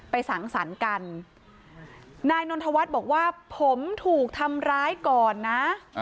สังสรรค์กันนายนนทวัฒน์บอกว่าผมถูกทำร้ายก่อนนะ